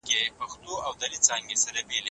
ځيني مؤمنانو رسول الله ته وويل.